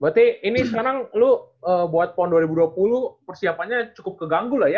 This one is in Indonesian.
berarti ini sekarang lo buat pon dua ribu dua puluh persiapannya cukup keganggu lah ya